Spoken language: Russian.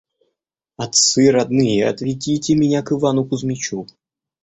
Отцы родные, отведите меня к Ивану Кузмичу».